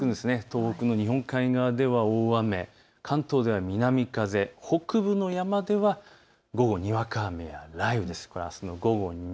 東北の日本海側では大雨、関東では南風、北部の山では午後、にわか雨や雷雨です。